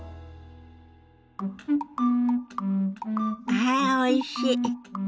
はあおいしい。